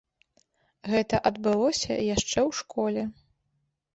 Гэта адбылося яшчэ ў школе.